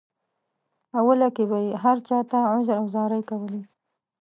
اوله کې به یې هر چاته عذر او زارۍ کولې.